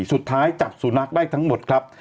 สุดท้ายจับสุนัขได้ทั้งหมดครับ